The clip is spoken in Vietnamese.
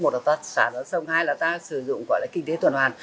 một là ta xả ra sông hai là ta sử dụng kinh tế tuần hoàn